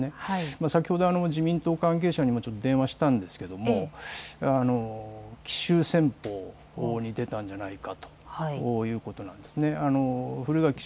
先ほど自民党関係者にも電話をしたんですが奇襲戦法に出たんじゃないかということなんです。